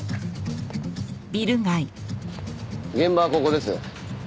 現場はここです。